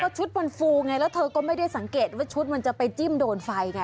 ชุดมันฟูไงแล้วเธอก็ไม่ได้สังเกตว่าชุดมันจะไปจิ้มโดนไฟไง